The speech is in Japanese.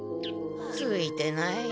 ついてない。